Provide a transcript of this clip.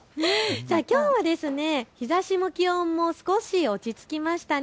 きょうは日ざしも気温も少し落ち着きましたね。